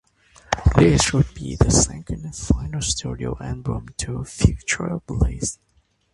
This would be the second and final studio album to feature Blaze Bayley.